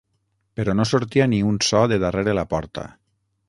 Però no sortia ni un so de darrere la porta.